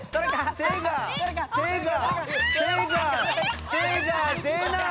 手が出ない！